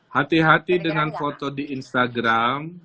hati hati dengan foto di instagram